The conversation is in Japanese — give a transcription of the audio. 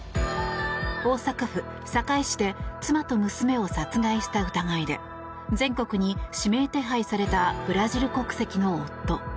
大阪府堺市で妻と娘を殺害した疑いで全国に指名手配されたブラジル国籍の夫。